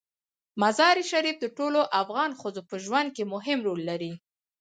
مزارشریف د ټولو افغان ښځو په ژوند کې مهم رول لري.